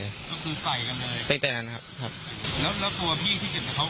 ก็คือใส่กันเลยตั้งแต่นั้นครับครับแล้วแล้วตัวพี่ที่เจ็บกับเขา